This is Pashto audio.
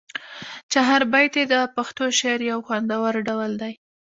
چهاربیتې د پښتو شعر یو خوندور ډول دی.